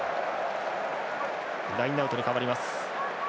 ラインアウトに変わります。